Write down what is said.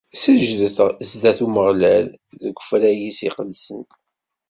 Seǧǧdet sdat Umeɣlal, deg ufrag-is iqedsen.